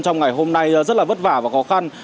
trong ngày hôm nay rất là vất vả và khó khăn